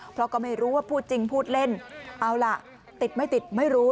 เพราะก็ไม่รู้ว่าพูดจริงพูดเล่นเอาล่ะติดไม่ติดไม่รู้